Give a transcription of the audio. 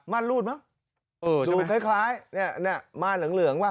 ม่านรูดมั้งเออดูคล้ายคล้ายเนี้ยเนี้ยม่านเหลืองเหลืองป่ะ